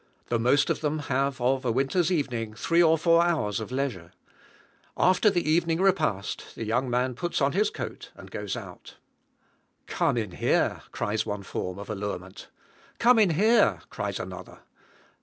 The most of them have, of a winter's evening, three or four hours of leisure. After the evening repast, the young man puts on his hat and coat and goes out. "Come in here," cries one form of allurement. "Come in here," cries another.